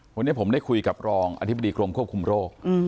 วันนี้ผมได้คุยกับรองอธิบดีกรมควบคุมโรค